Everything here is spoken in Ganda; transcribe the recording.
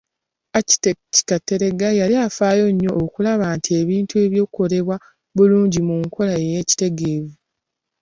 Architect Kateregga yali afaayo nnyo okulaba nti ebintu bikolebwa bulungi mu nkola ey’ekitegeevu.